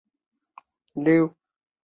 归正会教堂。